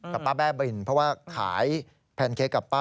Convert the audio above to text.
กับป้าแบ้บินเพราะว่าขายแพนเค้กกับป้า